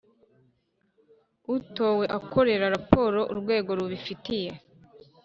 Utowe akorera raporo urwego rubifitiye